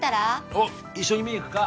おっ一緒に見に行くか？